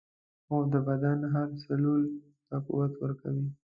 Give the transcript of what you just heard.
خوب د بدن هر سلول ته قوت ورکوي